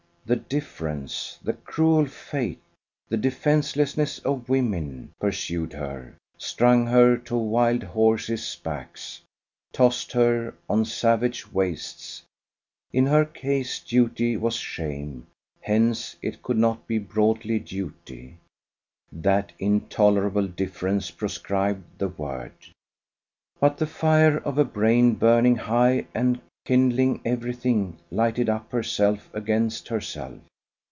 The difference, the cruel fate, the defencelessness of women, pursued her, strung her to wild horses' backs, tossed her on savage wastes. In her case duty was shame: hence, it could not be broadly duty. That intolerable difference proscribed the word. But the fire of a brain burning high and kindling everything lighted up herself against herself.